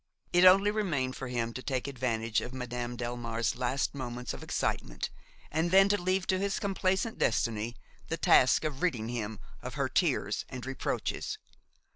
It only remained for him to take advantage of Madame Delmare's last moments of excitement, and then to leave to his complaisant destiny the task of ridding him of her tears and reproaches.